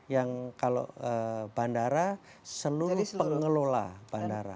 yang kalau bandara seluruh pengelola bandara